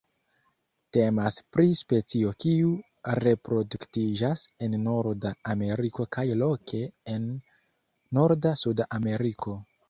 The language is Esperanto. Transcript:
Temas pri specio kiu reproduktiĝas en Norda Ameriko kaj loke en norda Suda Ameriko.